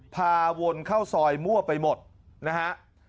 พาวนเข้าซอยมั่วไปหมดนะฮะ